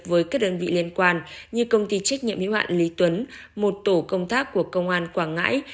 với các đơn vị liên quan như công ty trách nhiệm hiếu hạn lý tuấn một tổ công tác của công an quảng ngãi